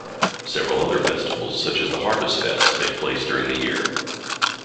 Several other festivals, such as the Harvest Fest, take place during the year.